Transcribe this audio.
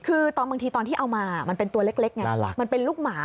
คือบางทีตอนที่เอามามันเป็นตัวเล็กไงมันเป็นลูกหมา